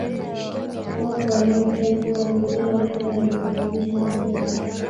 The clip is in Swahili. wapo waliodai kuwa abiria wenyewe walisababisha ajali